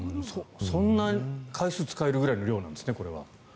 そんな回数使えるぐらいの量なんですね。